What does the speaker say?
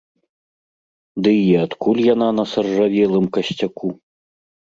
Ды і адкуль яна на саржавелым касцяку?